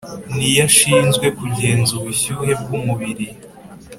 niyo ashinzwe kugenza ubushyuhe bw’umubiri,